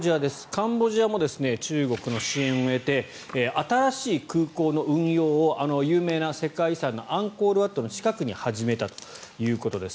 カンボジアも中国の支援を得て新しい空港の運用を有名な世界遺産のアンコールワットの近くで始めたということです。